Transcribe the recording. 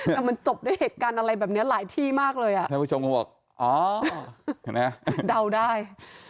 แต่มันจบด้วยเหตุการณ์อะไรแบบนี้หลายที่มากเลยอ่ะท่านผู้ชมก็บอกอ๋อเห็นไหมเดาได้